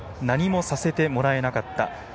何もさせてもらえなかった。